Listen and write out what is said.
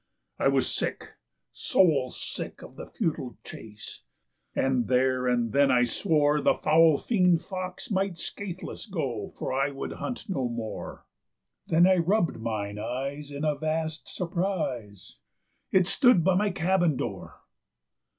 "I was sick, soul sick, of the futile chase, and there and then I swore The foul fiend fox might scathless go, for I would hunt no more; Then I rubbed mine eyes in a vast surprise it stood by my cabin door.